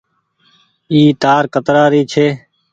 اي تآر ڪترآ ري ڇي۔